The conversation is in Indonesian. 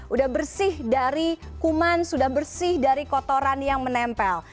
udah bersih dari kuman sudah bersih dari kotoran yang menempel